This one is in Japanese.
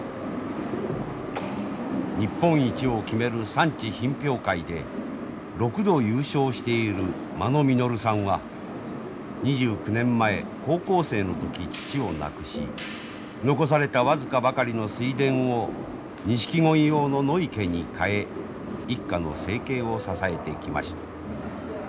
日本一を決める産地品評会で６度優勝している間野実さんは２９年前高校生の時父を亡くし残された僅かばかりの水田をニシキゴイ用の野池に変え一家の生計を支えてきました。